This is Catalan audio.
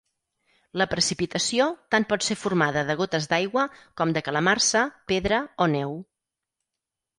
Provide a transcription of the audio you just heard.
La precipitació tant pot ser formada de gotes d’aigua com de calamarsa, pedra o neu.